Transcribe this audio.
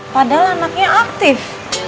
padahal anaknya aktif